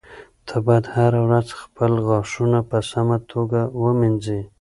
ته باید هره ورځ خپل غاښونه په سمه توګه ومینځې.